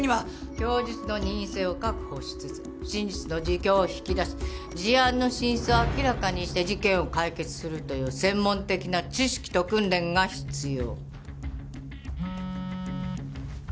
供述の任意性を確保しつつ真実の自供を引き出し事案の真相を明らかにして事件を解決するという専門的な知識と訓練が必要。